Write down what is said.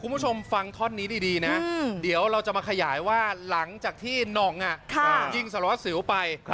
คุณผู้ชมฟังท่อนนี้ดีนะเดี๋ยวเราจะมาขยายว่าหลังจากที่หน่องยิงสารวัสสิวไป